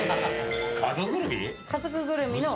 家族ぐるみの。